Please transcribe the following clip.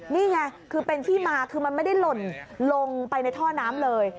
นี่ไงคือเป็นที่มาคือมันไม่ได้หล่นลงไปในท่อน้ำเลย